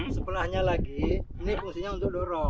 sebelahnya lagi ini fungsinya untuk dorong